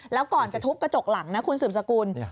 แล้วก่อนจะทุบกระจกหลังนะคุณสืบสกุล